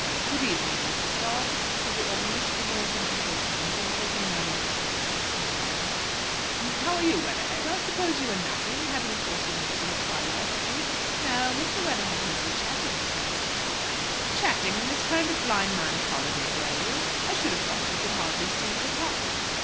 "Good evening, Mrs. Dobbs," said the organist, advancing to shake hands, and taking no notice of his wife's inquiry. "How are you, Weatherhead? I suppose you were napping having forty winks in the twilight, eh?" "No, Mr. Weatherhead and I were chatting," said Mrs. Dobbs. "Chatting in this kind of blind man's holiday, were you? I should have thought you could hardly see to talk!"